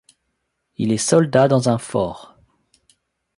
Il est soldat dans un fort.